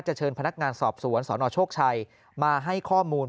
เชิญพนักงานสอบสวนสนโชคชัยมาให้ข้อมูล